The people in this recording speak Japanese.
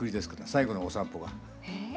最後のお散歩が。